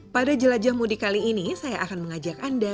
pada jelajah mudi kali ini saya akan mengajak anda